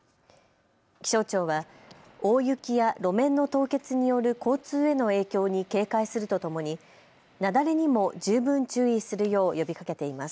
気象庁は大雪や路面の凍結による交通への影響に警戒するとともに雪崩にも十分注意するよう呼びかけています。